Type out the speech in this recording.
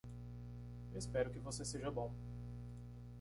Eu espero que você seja bom!